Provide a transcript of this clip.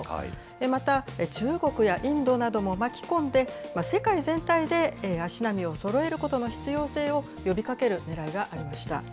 また、中国やインドなども巻き込んで、世界全体で足並みをそろえることの必要性を呼びかけるねらいがありました。